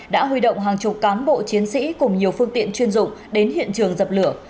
đã huy động hàng chục cán bộ chiến sĩ cùng nhiều phương tiện chuyên dụng đến hiện trường dập lửa